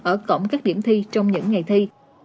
ở cổng các điểm thi trong những ngày thi